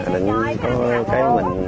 để có cái mình